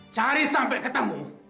cari sampai ketemu